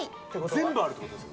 全部あってっていうことですか？